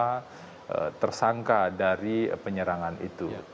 siapa tersangka dari penyerangan itu